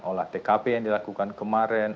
olah tkp yang dilakukan kemarin